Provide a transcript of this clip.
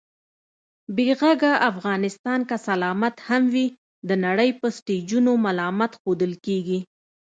بې غږه افغانستان که سلامت هم وي، د نړۍ په سټېجونو ملامت ښودل کېږي